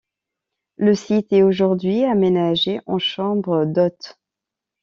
Le site est aujourd'hui aménagé en chambres d'hôtes.